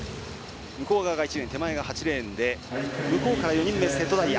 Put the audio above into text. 向こう側が１レーン手前が８レーンで向こうから４人目、瀬戸大也。